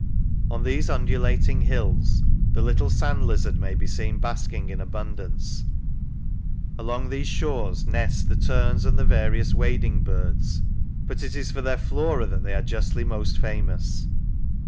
On these undulating hills the little sand lizard may be seen basking in abundance; along these shores nest the terns and the various wading birds; but it is for their flora that they are justly most famous.